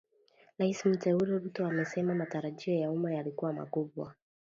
Rais mteule Ruto asema matarajio ya umma yalikuwa makubwa